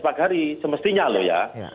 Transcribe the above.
pagari semestinya loh ya